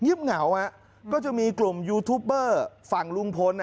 เงียบเหงาก็จะมีกลุ่มยูทูปเปอร์ฟังลุงพล